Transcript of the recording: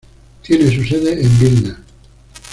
Tiene su sede en Vilna.